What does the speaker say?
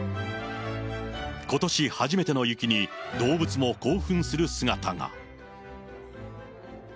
ことし初めての雪に、動物も興奮する姿が。